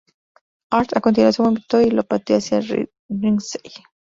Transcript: Hart a continuación vomitó, y lo pateó hacia el ringside.